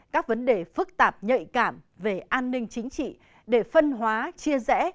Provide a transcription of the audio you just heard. các vấn đề phức tạp nhạy cảm về an ninh chính trị để phân hóa chia rẽ